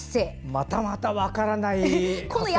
またまた分からない発声法。